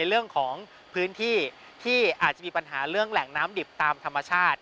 เรื่องของพื้นที่ที่อาจจะมีปัญหาเรื่องแหล่งน้ำดิบตามธรรมชาติ